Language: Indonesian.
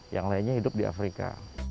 yang lainnya hidup di afrika